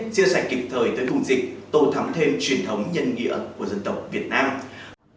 chia sẻ kịp thời tới thùng dịch tổ thắm thêm truyền thống nhân nghĩa của dân tộc việt nam